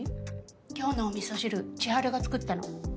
今日のおみそ汁千晴が作ったの。